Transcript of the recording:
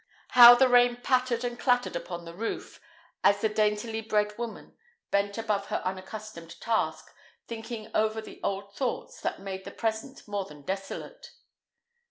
How the rain pattered and clattered upon the roof, as the daintily bred woman bent above her unaccustomed task, thinking over the old thoughts, that made the present more than desolate.